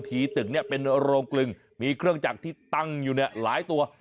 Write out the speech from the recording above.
ตึกเนี่ยเป็นโรงกลึงมีเครื่องจักรที่ตั้งอยู่เนี่ยหลายตัว